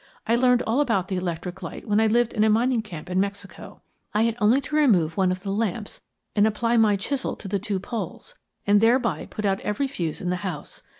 I learned all about the electric light when I lived in a mining camp in Mexico. I had only to remove one of the lamps and apply my chisel to the two poles, and thereby put out every fuse in the house.